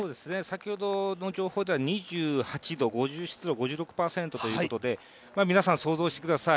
先ほどの情報では２８度湿度５６％ということで、皆さん想像してください。